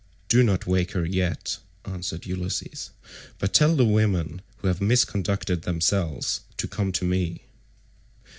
"Do not wake her yet," answered Ulysses, "but tell the women who have misconducted themselves to come to me."